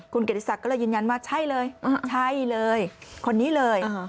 คุณเกียรติศักดิ์ก็เลยยืนยันว่าใช่เลยใช่เลยคนนี้เลย